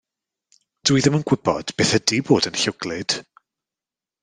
Dw i ddim yn gwybod beth ydi bod yn llwglyd.